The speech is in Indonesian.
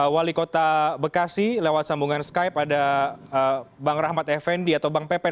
wali kota bekasi lewat sambungan skype ada bang rahmat effendi atau bang pepen